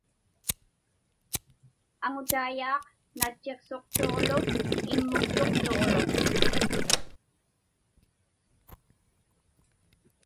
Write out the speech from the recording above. Aŋutaiyaaq natchiqsuqtuġlu immuktuqtuġlu.